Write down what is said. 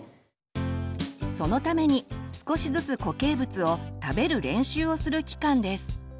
そのために少しずつ固形物を「食べる練習」をする期間です。